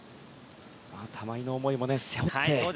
玉井の思いも背負って。